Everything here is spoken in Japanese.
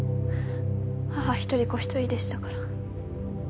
母一人子一人でしたから。